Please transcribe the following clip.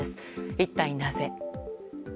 一体なぜ。